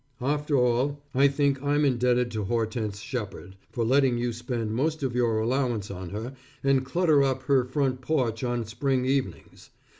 After all, I think I'm indebted to Hortense Shepard, for letting you spend most of your allowance on her, and clutter up her front porch on spring evenings.